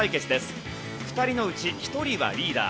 ２人のうち１人はリーダー。